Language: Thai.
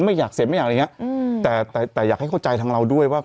ไม่อยากเสพไม่อยากอะไรอย่างเงี้อืมแต่แต่อยากให้เข้าใจทางเราด้วยว่า